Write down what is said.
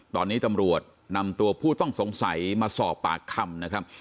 ตอนนี้ตำรวจนำตัวผู้ต้องสงสัยมาสอบปากคำนะครับ